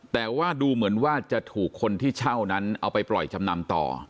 แต่ว่าดูเหมือนว่าจะถูกคนที่เช่านั้นเอาไปปล่อยจำนำต่อ